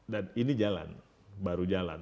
dan ini jalan baru jalan